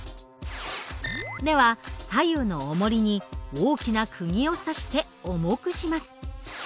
では左右のおもりに大きなくぎを刺して重くします。